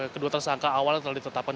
kedua tersangka awalnya telah ditetapkan